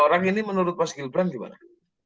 tiga orang ini menurut pak skilbrand gimana